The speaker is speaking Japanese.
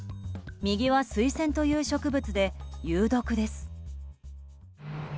右はスイセンという植物で有毒です。